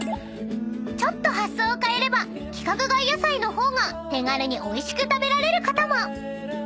［ちょっと発想を変えれば規格外野菜の方が手軽においしく食べられることも］